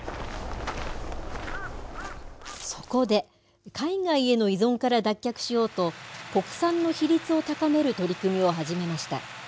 そこで、海外への依存から脱却しようと、国産の比率を高める取り組みを始めました。